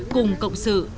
cùng cộng sự